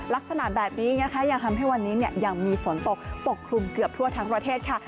ลักษณะแบบนี้นะคะยังทำให้วันนี้ยังมีฝนตกปกคลุมเกือบทั่วทั้งประเทศค่ะ